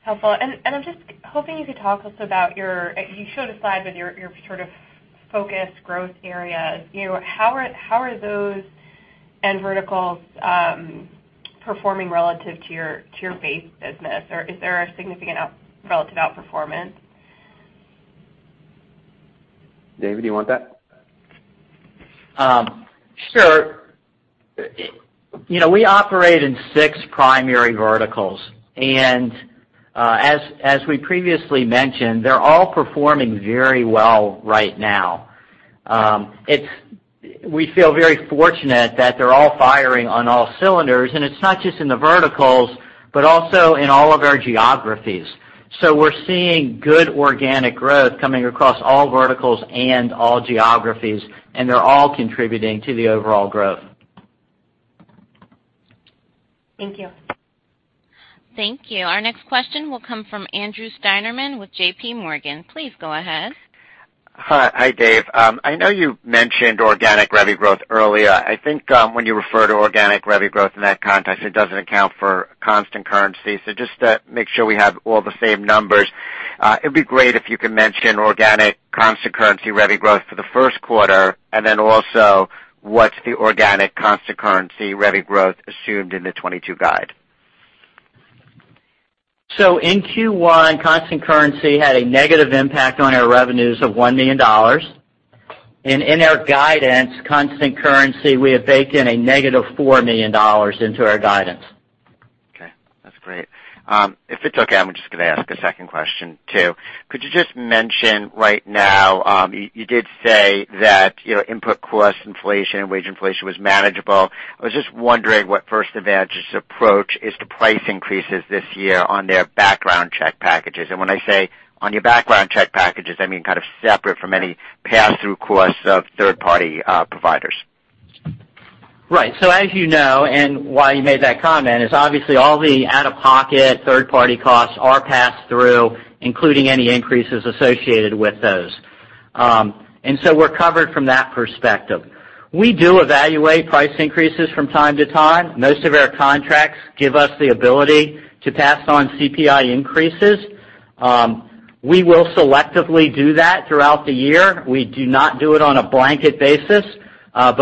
Helpful. I'm just hoping you could talk also about your, you showed a slide with your sort of focus growth areas. You know, how are those end verticals performing relative to your base business? Or is there a significant relative outperformance? David, do you want that? Sure. You know, we operate in six primary verticals, and as we previously mentioned, they're all performing very well right now. We feel very fortunate that they're all firing on all cylinders, and it's not just in the verticals, but also in all of our geographies. We're seeing good organic growth coming across all verticals and all geographies, and they're all contributing to the overall growth. Thank you. Thank you. Our next question will come from Andrew Steinerman with J.P. Morgan. Please go ahead. Hi. Hi, Dave. I know you mentioned organic revenue growth earlier. I think, when you refer to organic revenue growth in that context, it doesn't account for constant currency. Just to make sure we have all the same numbers, it'd be great if you could mention organic constant currency revenue growth for the first quarter and then also what's the organic constant currency revenue growth assumed in the 2022 guide. In Q1, constant currency had a negative impact on our revenues of $1 million. In our guidance, constant currency, we have baked in a -$4 million into our guidance. That's great. If it's okay, I'm just gonna ask a second question too. Could you just mention right now, you did say that, you know, input cost inflation, wage inflation was manageable. I was just wondering what First Advantage's approach is to price increases this year on their background check packages. And when I say on your background check packages, I mean, kind of separate from any pass-through costs of third party providers. Right. As you know, and why you made that comment, is obviously all the out-of-pocket third party costs are passed through, including any increases associated with those. We're covered from that perspective. We do evaluate price increases from time to time. Most of our contracts give us the ability to pass on CPI increases. We will selectively do that throughout the year. We do not do it on a blanket basis, but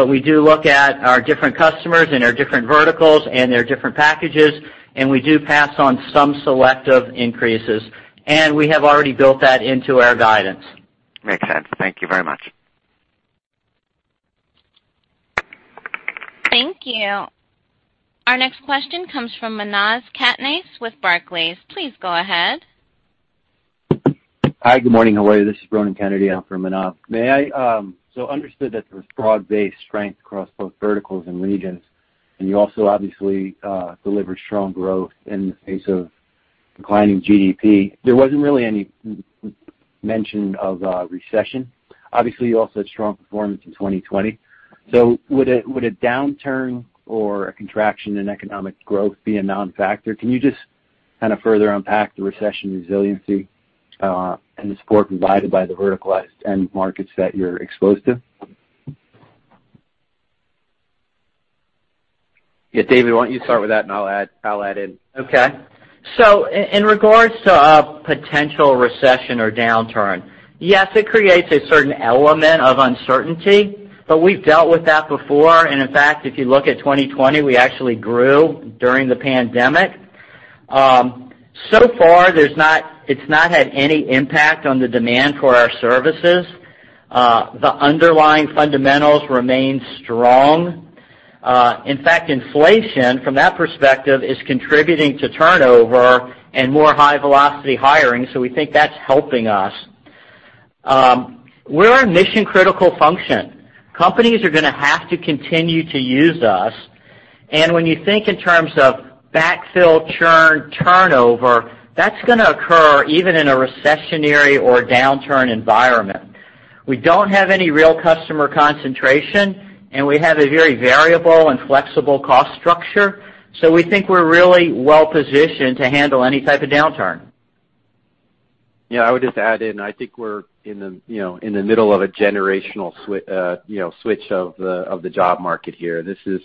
we do look at our different customers and our different verticals and their different packages, and we do pass on some selective increases. We have already built that into our guidance. Makes sense. Thank you very much. Thank you. Our next question comes from Manav Patnaik with Barclays. Please go ahead. Hi, good morning. How are you? This is Ronan Kennedy in for Manav. Understood that there was broad-based strength across both verticals and regions, and you also obviously delivered strong growth in the face of declining GDP. There wasn't really any mention of a recession. Obviously, you also had strong performance in 2020. Would a downturn or a contraction in economic growth be a non-factor? Can you just kind of further unpack the recession resiliency, and the support provided by the verticalized end markets that you're exposed to? Yeah, David, why don't you start with that, and I'll add in. Okay. In regards to a potential recession or downturn, yes, it creates a certain element of uncertainty, but we've dealt with that before. In fact, if you look at 2020, we actually grew during the pandemic. So far it's not had any impact on the demand for our services. The underlying fundamentals remain strong. In fact, inflation from that perspective is contributing to turnover and more high-velocity hiring, so we think that's helping us. We're a mission-critical function. Companies are gonna have to continue to use us. When you think in terms of backfill, churn, turnover, that's gonna occur even in a recessionary or downturn environment. We don't have any real customer concentration, and we have a very variable and flexible cost structure. We think we're really well-positioned to handle any type of downturn. Yeah, I would just add in, I think we're in the middle of a generational switch of the job market here. This is.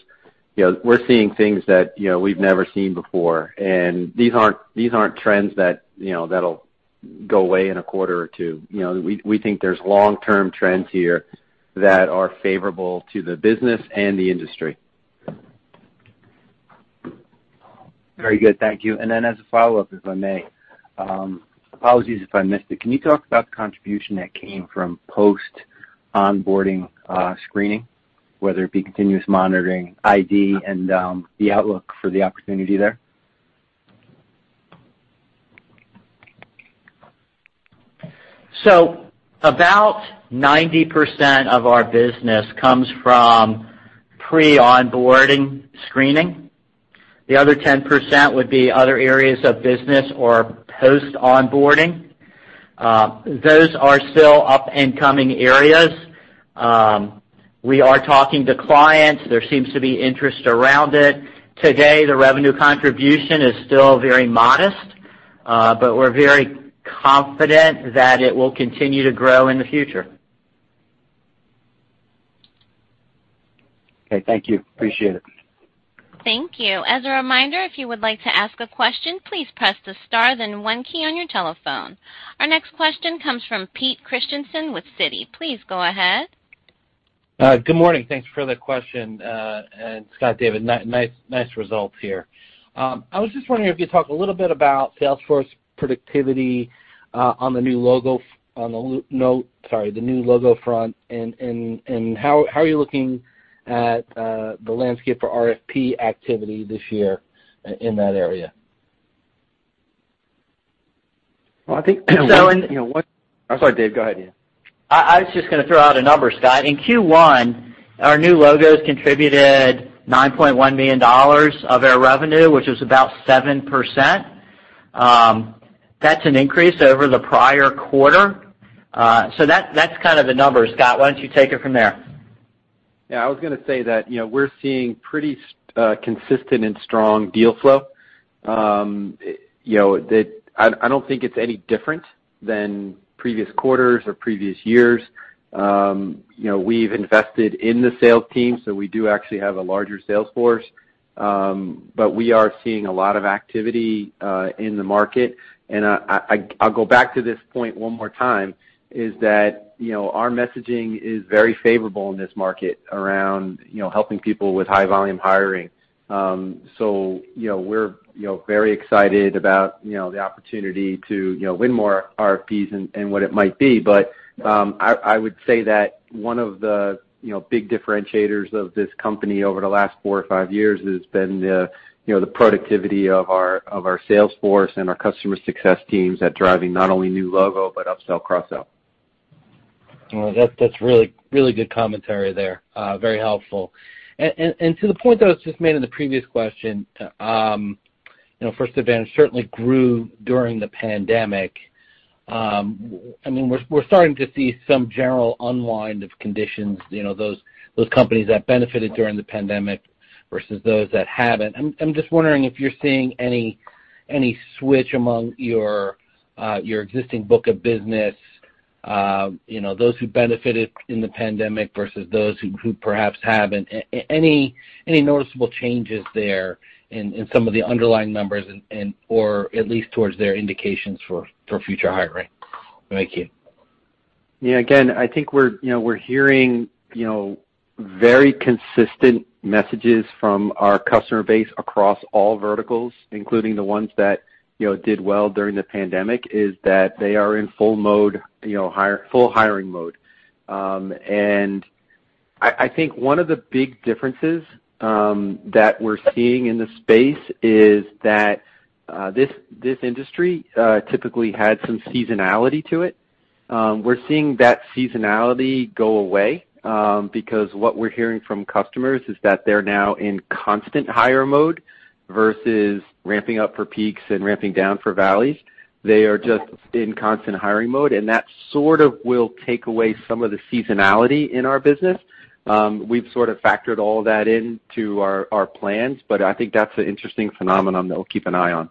You know, we're seeing things that we've never seen before, and these aren't trends that that'll go away in a quarter or two. You know, we think there's long-term trends here that are favorable to the business and the industry. Very good. Thank you. As a follow-up, if I may, apologies if I missed it. Can you talk about the contribution that came from post-onboarding screening, whether it be continuous monitoring, ID, and the outlook for the opportunity there? About 90% of our business comes from pre-onboarding screening. The other 10% would be other areas of business or post-onboarding. Those are still up and coming areas. We are talking to clients. There seems to be interest around it. Today, the revenue contribution is still very modest, but we're very confident that it will continue to grow in the future. Okay, thank you. Appreciate it. Thank you. As a reminder, if you would like to ask a question, please press the star then one key on your telephone. Our next question comes from Peter Christiansen with Citi. Please go ahead. Good morning. Thanks for the question, and Scott, David, nice results here. I was just wondering if you talk a little bit about sales force productivity on the new logo front and how are you looking at the landscape for RFP activity this year in that area? I'm sorry, Dave, go ahead, yeah. I was just gonna throw out a number, Scott. In Q1, our new logos contributed $9.1 million of our revenue, which was about 7%. That's an increase over the prior quarter. That's kind of the number. Scott, why don't you take it from there? Yeah, I was gonna say that, you know, we're seeing pretty consistent and strong deal flow. You know, I don't think it's any different than previous quarters or previous years. You know, we've invested in the sales team, so we do actually have a larger sales force. We are seeing a lot of activity in the market. I'll go back to this point one more time, is that, you know, our messaging is very favorable in this market around, you know, helping people with high volume hiring. You know, we're very excited about the opportunity to win more RFPs and what it might be. I would say that one of the big differentiators of this company over the last four or five years has been the productivity of our sales force and our customer success teams at driving not only new logo, but upsell, cross-sell. Well, that's really good commentary there. Very helpful. To the point that was just made in the previous question, you know, First Advantage certainly grew during the pandemic. I mean, we're starting to see some general unwind of conditions, you know, those companies that benefited during the pandemic versus those that haven't. I'm just wondering if you're seeing any switch among your existing book of business, you know, those who benefited in the pandemic versus those who perhaps haven't. Any noticeable changes there in some of the underlying numbers and, or at least towards their indications for future hiring? Thank you. Yeah. Again, I think we're hearing, you know, very consistent messages from our customer base across all verticals, including the ones that, you know, did well during the pandemic, is that they are in full hiring mode. I think one of the big differences that we're seeing in the space is that this industry typically had some seasonality to it. We're seeing that seasonality go away because what we're hearing from customers is that they're now in constant hiring mode versus ramping up for peaks and ramping down for valleys. They are just in constant hiring mode, and that sort of will take away some of the seasonality in our business. We've sort of factored all that into our plans, but I think that's an interesting phenomenon that we'll keep an eye on.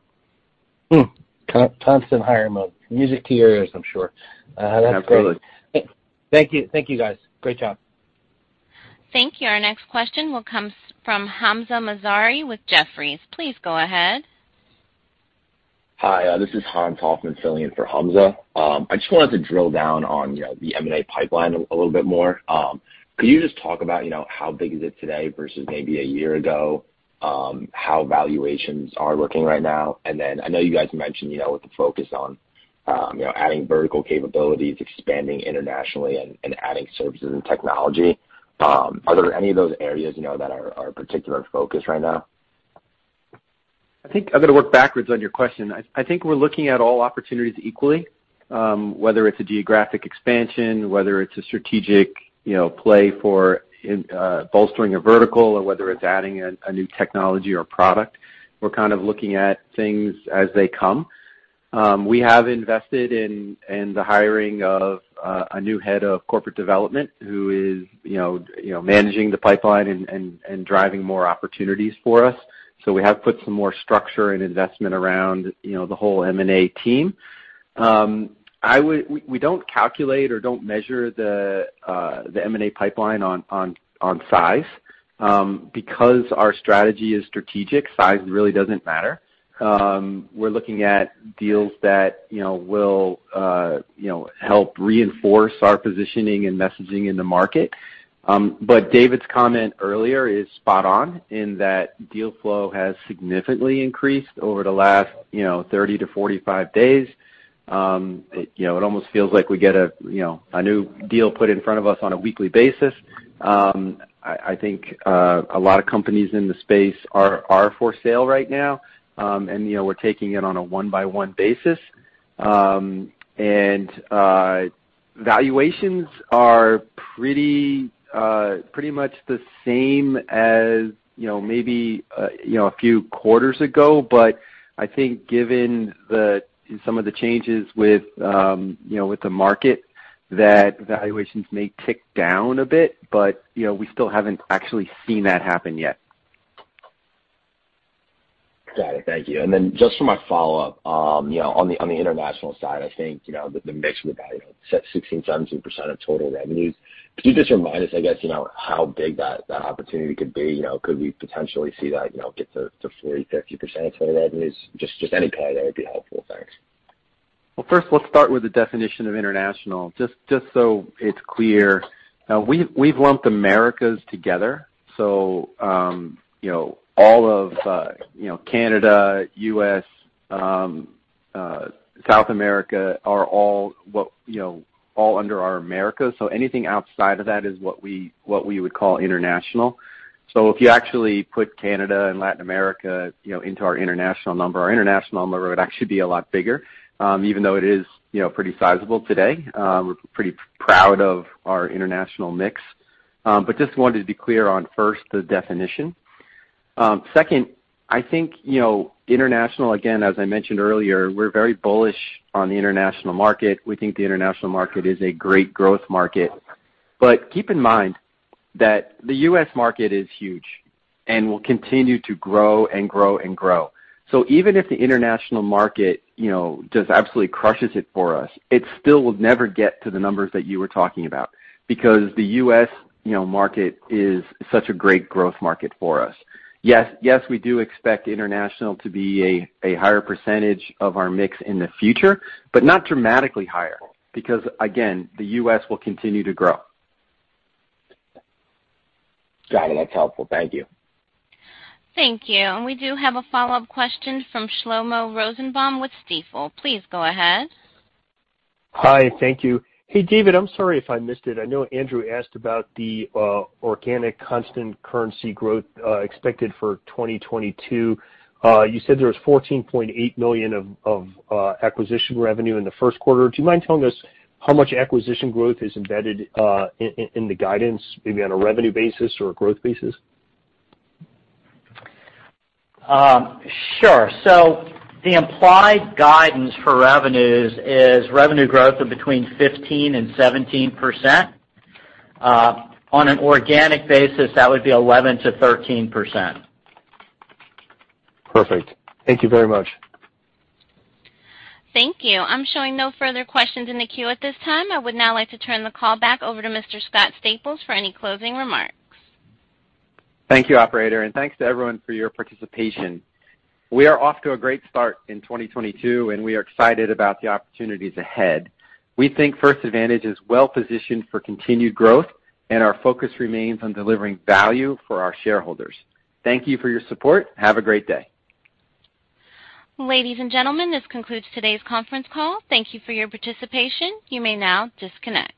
Constant hire mode. Music to your ears, I'm sure. That's great. Absolutely. Thank you. Thank you, guys. Great job. Thank you. Our next question will come from Hamzah Mazari with Jefferies. Please go ahead. Hi, this is Hans Hoffman filling in for Hamzah. I just wanted to drill down on, you know, the M&A pipeline a little bit more. Could you just talk about, you know, how big is it today versus maybe a year ago, how valuations are looking right now? I know you guys mentioned, you know, with the focus on, you know, adding vertical capabilities, expanding internationally and adding services and technology, are there any of those areas, you know, that are particular focus right now? I think I'm gonna work backwards on your question. I think we're looking at all opportunities equally, whether it's a geographic expansion, whether it's a strategic, you know, play for bolstering a vertical or whether it's adding a new technology or product. We're kind of looking at things as they come. We have invested in the hiring of a new head of corporate development who is, you know, managing the pipeline and driving more opportunities for us. We have put some more structure and investment around, you know, the whole M&A team. We don't calculate or don't measure the M&A pipeline on size. Because our strategy is strategic, size really doesn't matter. We're looking at deals that, you know, will, you know, help reinforce our positioning and messaging in the market. David's comment earlier is spot on in that deal flow has significantly increased over the last, you know, 30-45 days. It almost feels like we get a, you know, a new deal put in front of us on a weekly basis. I think a lot of companies in the space are for sale right now. You know, we're taking it on a one-by-one basis. Valuations are pretty much the same as, you know, maybe, you know, a few quarters ago. I think given some of the changes with, you know, with the market, that valuations may tick down a bit, but, you know, we still haven't actually seen that happen yet. Got it. Thank you. Just for my follow-up, you know, on the international side, I think, you know, the mix with that, you know, set at 16%-17% of total revenues. Could you just remind us, I guess, you know, how big that opportunity could be? You know, could we potentially see that, you know, get to 40%-50% of total revenues? Just any color there would be helpful. Thanks. Well, first, let's start with the definition of international, just so it's clear. We've lumped Americas together. You know, all of, you know, Canada, U.S., South America are all what, you know, all under our Americas. Anything outside of that is what we would call international. If you actually put Canada and Latin America, you know, into our international number, our international number would actually be a lot bigger, even though it is, you know, pretty sizable today. We're pretty proud of our international mix. Just wanted to be clear on first the definition. Second, I think, you know, international, again, as I mentioned earlier, we're very bullish on the international market. We think the international market is a great growth market. Keep in mind that the U.S. market is huge and will continue to grow and grow and grow. Even if the international market, you know, just absolutely crushes it for us, it still will never get to the numbers that you were talking about because the U.S., you know, market is such a great growth market for us. Yes, yes, we do expect international to be a higher percentage of our mix in the future, but not dramatically higher because, again, the U.S. will continue to grow. Got it. That's helpful. Thank you. Thank you. We do have a follow-up question from Shlomo Rosenbaum with Stifel. Please go ahead. Hi. Thank you. Hey, David, I'm sorry if I missed it. I know Andrew asked about the organic constant currency growth expected for 2022. You said there was $14.8 million of acquisition revenue in the first quarter. Do you mind telling us how much acquisition growth is embedded in the guidance, maybe on a revenue basis or a growth basis? Sure. The implied guidance for revenues is revenue growth of between 15% and 17%. On an organic basis, that would be 11%-13%. Perfect. Thank you very much. Thank you. I'm showing no further questions in the queue at this time. I would now like to turn the call back over to Mr. Scott Staples for any closing remarks. Thank you, operator, and thanks to everyone for your participation. We are off to a great start in 2022, and we are excited about the opportunities ahead. We think First Advantage is well-positioned for continued growth, and our focus remains on delivering value for our shareholders. Thank you for your support. Have a great day. Ladies and gentlemen, this concludes today's conference call. Thank you for your participation. You may now disconnect.